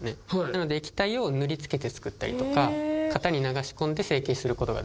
なので液体を塗りつけて作ったりとか型に流し込んで成型する事ができます。